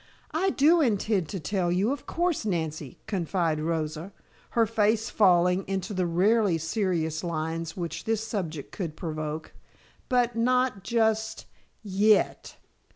"I do intend to tell you, of course, Nancy," confided Rosa, her face falling into the rarely serious lines which this subject could provoke. "But not just yet."